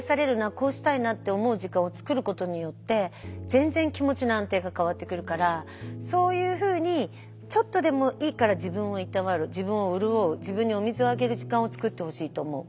こうしたいなって思う時間をつくることによって全然気持ちの安定が変わってくるからそういうふうにちょっとでもいいから自分をいたわる自分を潤う自分にお水をあげる時間をつくってほしいと思う。